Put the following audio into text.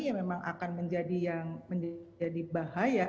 itu memang akan menjadi yang bahaya